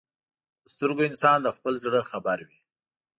په سترګو انسان د خپل زړه خبر وي